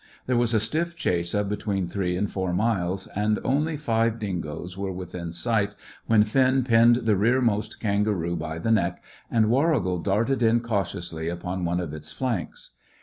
There was a stiff chase of between three and four miles, and only five dingoes were within sight when Finn pinned the rearmost kangaroo by the neck, and Warrigal darted in cautiously upon one of its flanks.